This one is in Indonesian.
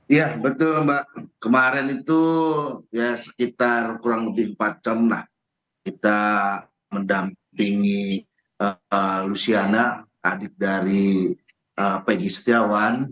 iya betul mbak kemarin itu ya sekitar kurang lebih empat jam lah kita mendampingi luciana adit dari pegi setiawan